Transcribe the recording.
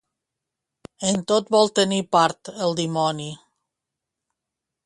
En tot vol tenir part el dimoni.